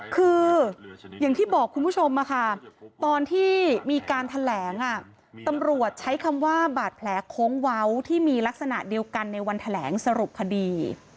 คืออย่างที่บอกคุณผู้ชมตอนที่มีการแถลงตำรวจใช้คำว่าบาดแผลโค้งเว้าที่มีลักษณะเดียวกันในวันแถลงสรุปคดี